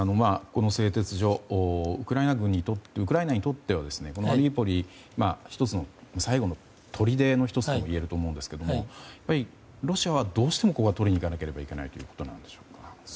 この製鉄所はウクライナにとってはマリウポリの最後のとりでの１つともいえると思いますがやっぱりロシアはどうしてもここを取りに行かないといけないということでしょうか。